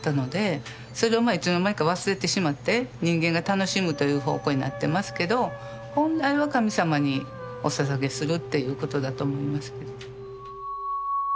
それをいつの間にか忘れてしまって人間が楽しむという方向になってますけど本来は神様におささげするということだと思いますけど。